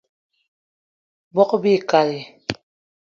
Bogb-ikali